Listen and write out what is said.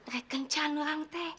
ke kencan orang itu